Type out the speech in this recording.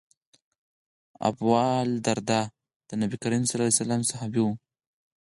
ابوالدرداء د نبي کریم ص صحابي و.